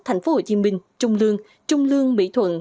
thành phố hồ chí minh trung lương trung lương mỹ thuận